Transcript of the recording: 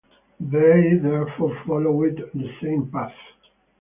They therefore followed the same path.